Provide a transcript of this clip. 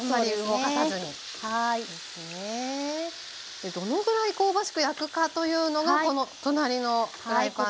でどのぐらい香ばしく焼くかというのがこの隣のフライパンです。